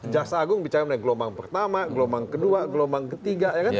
jaksa agung bicara tentang gelombang pertama gelombang kedua gelombang ketiga